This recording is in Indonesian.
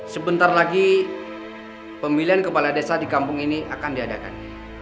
sebentar lagi pemilihan kepala desa di kampung ini akan diadakan